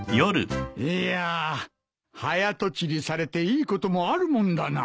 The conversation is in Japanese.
いや早とちりされていいこともあるもんだな。